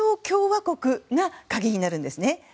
共和国が鍵になるんですね。